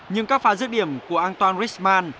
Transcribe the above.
nhưng các phá giết điểm của antoine richemont